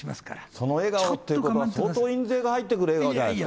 その笑顔って、相当印税が入ってくる笑顔じゃないですか。